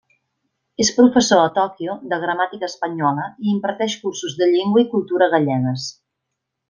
És professor a Tòquio de gramàtica espanyola i imparteix cursos de llengua i cultura gallegues.